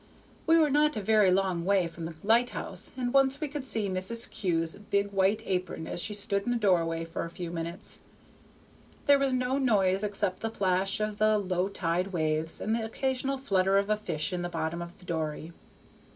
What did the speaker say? We were not a very long way from the lighthouse, and once we could see Mrs. Kew's big white apron as she stood in the doorway for a few minutes. There was no noise except the plash of the low tide waves and the occasional flutter of a fish in the bottom of the dory.